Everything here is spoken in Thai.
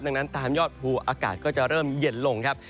ดังนั้นตามยอดภูอากาศก็จะเริ่มเย็นลงครับ